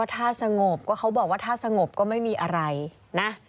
ถ้าสงบก็เขาบอกว่าถ้าสงบก็ไม่มีอะไรนะ